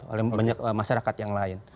oleh banyak masyarakat yang lain